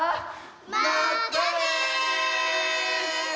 まったね！